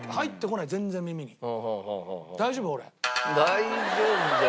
大丈夫じゃ。